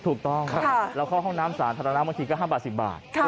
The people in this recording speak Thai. ถูกต้องเราเข้าห้องน้ำสาธารณะบางทีก็๕บาท๑๐บาท